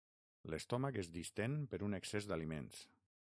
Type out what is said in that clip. L'estómac es distén per un excés d'aliments.